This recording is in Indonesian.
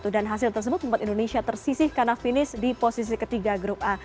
dan hasil tersebut membuat indonesia tersisih karena finish di posisi ketiga grup a